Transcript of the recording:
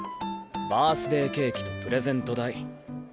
バースデーケーキとプレゼント代。